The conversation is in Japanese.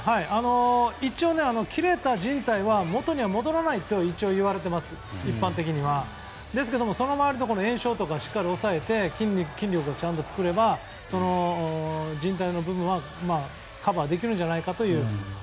一応、切れたじん帯は元には戻らないと一般的には。ですけど、その周りの炎症とかをしっかり抑えて筋肉を作ればじん帯の部分はカバーできるんじゃないかと。